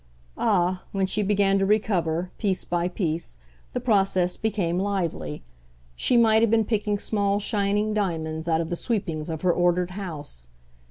Ah, when she began to recover, piece by piece, the process became lively; she might have been picking small shining diamonds out of the sweepings of her ordered house.